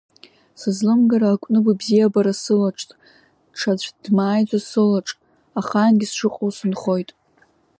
Сызлымгара акәны быбзиабара сылаҽт, ҽаӡә дмааиӡо сылаҿ, ахаангьы сшыҟоу сынхоит…